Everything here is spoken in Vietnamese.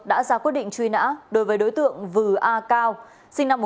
đã ra quyết định truy nã đối với đối tượng vư a cao sinh năm một nghìn chín trăm tám mươi